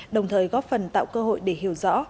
đồng thời góp phần tạo cơ hội để hiểu rõ